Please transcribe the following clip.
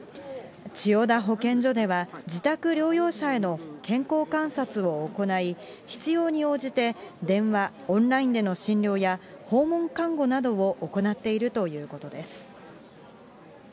千代田保健所では、自宅療養者への健康観察を行い、必要に応じて、電話、オンラインでの診療や訪問看護などを行っているということです。